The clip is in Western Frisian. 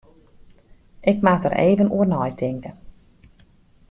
Ik moat der even oer neitinke.